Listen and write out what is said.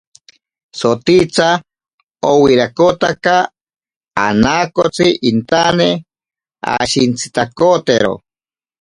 Sotitsa owirakotaka anaakotsi intane ashintsitakotero.